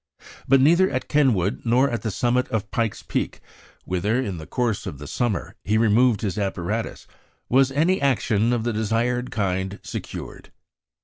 But neither at Kenwood nor at the summit of Pike's Peak, whither, in the course of the summer, he removed his apparatus, was any action of the desired kind secured.